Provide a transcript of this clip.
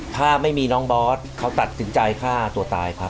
ถ้าไม่มีน้องบอสเขาตัดสินใจฆ่าตัวตายครับ